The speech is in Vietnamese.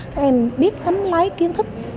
các em biết lấy kiến thức